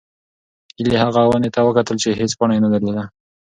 هیلې هغې ونې ته وکتل چې هېڅ پاڼه یې نه درلوده.